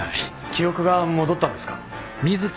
記憶が戻ったんですか？